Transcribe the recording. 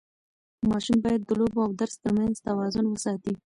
ماشوم باید د لوبو او درس ترمنځ توازن وساتي.